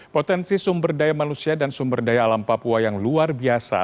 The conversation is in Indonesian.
potensi sumber daya manusia dan sumber daya alam papua yang luar biasa